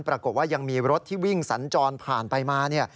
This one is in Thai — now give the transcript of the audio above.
ปรากฏว่ายังมีรถที่วิ่งสัญจรผ่านไปมา